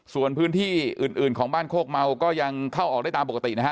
ส่วนพื้นที่อื่นของบ้านโคกเมาก็ยังเข้าออกได้ตามปกตินะฮะ